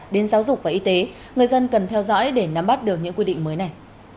đến giáo dục và y tế người dân cần theo dõi để nắm bắt được những quy định mới này